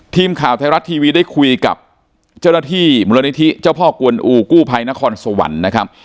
ทีมข่าวไทยรัฐทีวีได้คุยกับเจ้าหน้าที่มูลนิธิเจ้าพ่อกวนอูกู้ภัยนครสวรรค์นะครับ